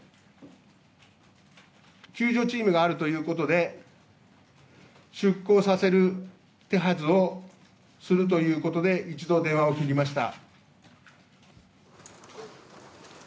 救助チームがあるということで、出航させる手はずをするということで一度電話を切りました。